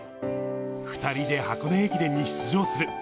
２人で箱根駅伝に出場する。